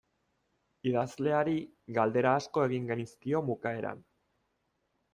Idazleari galdera asko egin genizkion bukaeran.